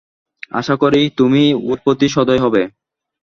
আশা করি তুমি ওর প্রতি সদয় হবে।